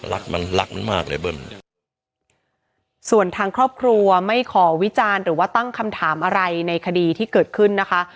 รักมันรักมันมากเลยเบิ้ลส่วนทางครอบครัวไม่ขอวิจารณ์หรือว่าตั้งคำถามอะไรในคดีที่เกิดขึ้นนะคะ